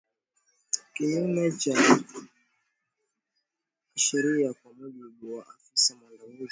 kinyume cha sheria kwa mujibu wa afisa mwandamizi